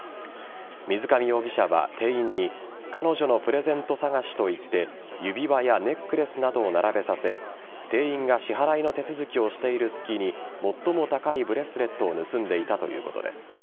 水上容疑者は店員に彼女のプレゼント探しと言って指輪やネックレスなどを並べさせ店員が支払いの手続きをしている隙に最も高いブレスレットを盗んでいたということです。